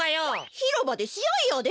ひろばでしあいやで。